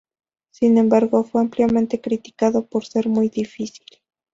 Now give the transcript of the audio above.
Sin embargo, fue ampliamente criticado por ser muy difícil.